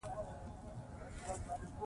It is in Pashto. ناټو ځواکونه له هېواده وتښتېدل.